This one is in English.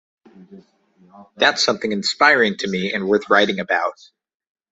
That’s something inspiring to me and worth writing about.